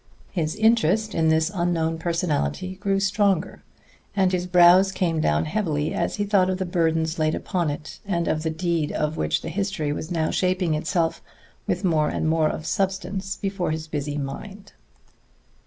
His interest in this unknown personality grew stronger; and his brows came down heavily as he thought of the burdens laid upon it, and of the deed of which the history was now shaping itself with more and more of substance before his busy mind.